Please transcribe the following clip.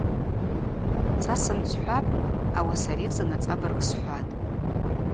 Са сымцхӏвапӏ, ауаса ари азын ацӏабырг схӏватӏ.